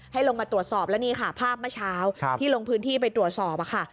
ให้ลงมาตรวจสอบแล้วนี่ค่ะภาพเมื่อเช้าที่ลงพื้นที่ไปตรวจสอบค่ะ